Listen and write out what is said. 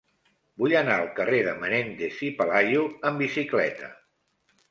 Vull anar al carrer de Menéndez y Pelayo amb bicicleta.